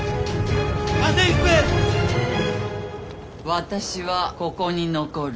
私はここに残る。